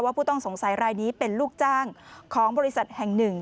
ผู้ต้องสงสัยรายนี้เป็นลูกจ้างของบริษัทแห่งหนึ่ง